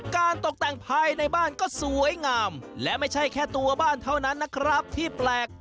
ตกแต่งภายในบ้านก็สวยงามและไม่ใช่แค่ตัวบ้านเท่านั้นนะครับที่แปลก